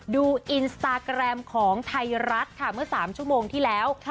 ดูอินสตาแกรมของไทยรัฐค่ะเมื่อ๓ชั่วโมงที่แล้ว